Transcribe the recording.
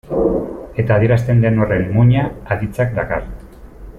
Eta adierazten den horren muina aditzak dakar.